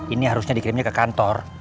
ini harusnya dikirimnya ke kantor